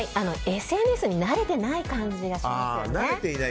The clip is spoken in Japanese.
ＳＮＳに慣れてない感じがしますよね。